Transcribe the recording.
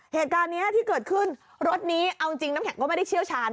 เหตุการณ์นี้ที่เกิดขึ้นรถนี้เอาจริงน้ำแข็งก็ไม่ได้เชี่ยวชาญ